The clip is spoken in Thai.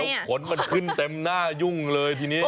แล้วผลมันขึ้นเต็มหน้ายุ่งเลยทีนี้